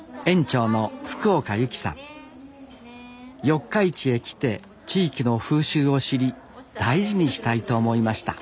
四日市へ来て地域の風習を知り大事にしたいと思いました。